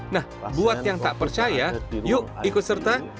nah buat yang tak percaya yuk ikut serta